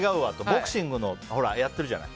ボクシングのやってるじゃない？